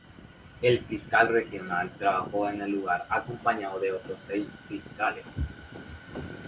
El fiscal regional trabajó en el lugar acompañado de otros seis fiscales.